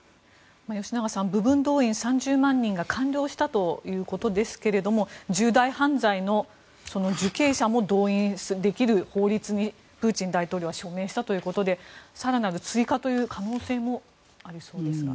吉永さん部分動員、３０万人が完了したということですが重大犯罪の受刑者も動員できる法律にプーチン大統領が署名したということで更なる追加という可能性もあるそうですが。